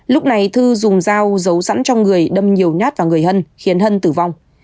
lúc này thư dùng dao giấu sẵn trong người đâm nhiều nhát vào người hân khiến hân tử vong